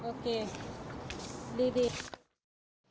โอเค